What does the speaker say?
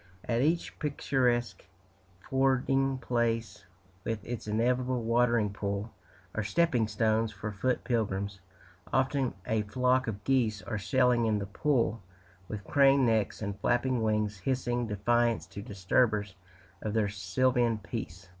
At each picturesque fording place, with its inevitable watering pool, are stepping stones for foot pilgrims; often a flock of geese are sailing in the pool, with craned necks and flapping wings hissing defiance to disturbers of their sylvan peace.